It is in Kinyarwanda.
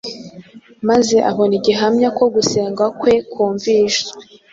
Maze abona igihamya ko gusenga kwe kumviswe.